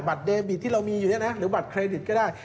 เดบิตที่เรามีอยู่เนี่ยนะหรือบัตรเครดิตก็ได้